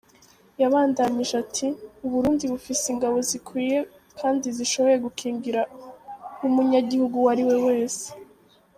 Yabandanije ati: ‘’Uburundi bufise ingabo zikwiye kandi zishoboye gukingira w’umunyagihugu uwariwe wese’’.